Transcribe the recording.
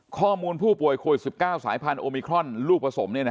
ข้อมูลผู้ป่วยโควิด๑๙สายพันธุมิครอนลูกผสม